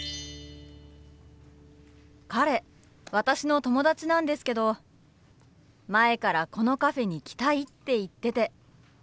彼私の友達なんですけど前からこのカフェに来たいって言ってて。